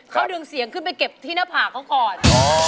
เค้าดึงเสียงไปเก็บที่หน้าผ่าเค้ากอด